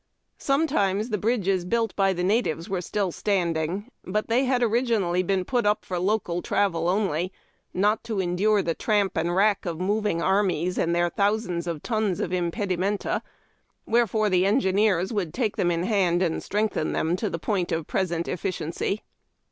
Sometimes the bridges built by the natives were still standing, but they had originally been put up for local travel only, not to endure the tramp and rack of moving armies and their thousands of tons of imped , imenta ; wherefore the engineers would take them in hand and strengthen them to the point of present efficiency.